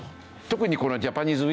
特にこのジャパニーズ